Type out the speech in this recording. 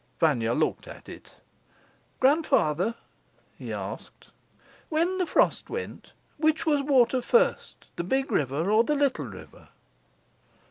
Vanya looked at it. "Grandfather," he asked, "when the frost went, which was water first the big river or the little river?"